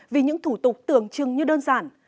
vì những thủ tục tường trưng như đơn giản